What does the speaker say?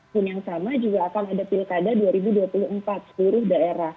dan yang sama juga akan ada pilkada dua ribu dua puluh empat seluruh daerah